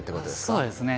そうですね。